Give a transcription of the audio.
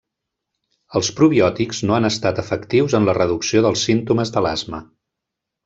Els probiòtics no han estat efectius en la reducció dels símptomes de l’asma.